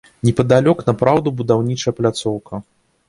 Непадалёк напраўду будаўнічая пляцоўка.